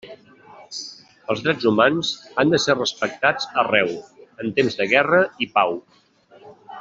Els drets humans han de ser respectats arreu, en temps de guerra i pau.